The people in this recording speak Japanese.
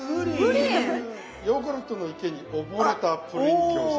ヨーグルトの池に溺れたプリン餃子。